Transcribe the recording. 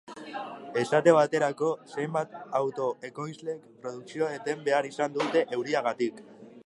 Esate baterako, zenbait auto-ekoizlek produkzioa eten behar izan dute euriagatik.